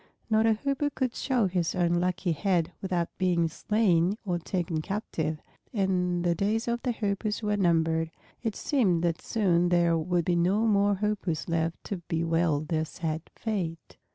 Not a Hoopoe could show his unlucky head without being slain or taken captive, and the days of the Hoopoes were numbered. It seemed that soon there would be no more Hoopoes left to bewail their sad fate.